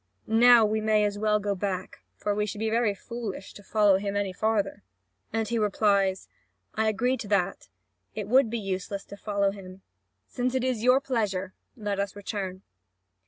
Now we may as well go back, for we should be very foolish to follow him any farther." And he replies: "I agree to that. It would be useless to follow him. Since it is your pleasure, let us return."